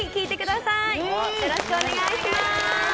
よろしくお願いします